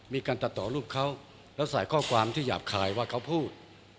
มีการตัดต่อรูปเขาแล้วใส่ข้อความที่หยาบคายว่าเขาพูด